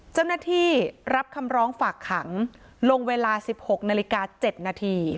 เจ้าหน้าที่รับคำร้องฝากขังลงเวลา๑๖นาฬิกา๗นาที